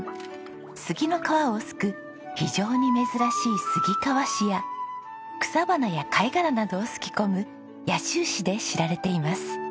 杉の皮をすく非常に珍しい杉皮紙や草花や貝殻などをすき込む野集紙で知られています。